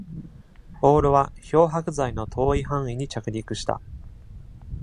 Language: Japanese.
ボールは漂白剤の遠い範囲に着陸した。